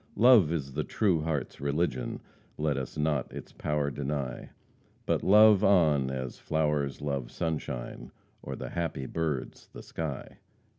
Love is the true heart's religion! Let us not its power deny. But love on as flowers love sunshine, Or the happy birds the sky."